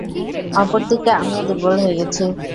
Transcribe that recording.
অপরদিকে, আমিও দুর্বল হয়ে গেছি।